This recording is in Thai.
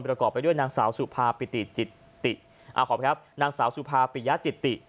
ประกอบไปด้วยนางสาวสุภาปิติจิตติอ่าขออภัยครับนางสาวสุภาปิยจิติ